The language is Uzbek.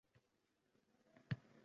Go‘yo... bir baloga yo‘liqtsi!